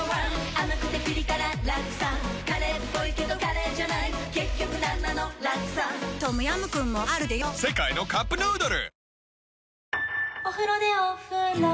甘くてピリ辛ラクサカレーっぽいけどカレーじゃない結局なんなのラクサトムヤムクンもあるでヨ世界のカップヌードル